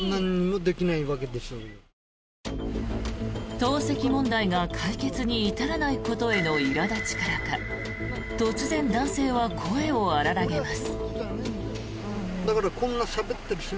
投石問題が解決に至らないことへのいら立ちからか突然、男性は声を荒らげます。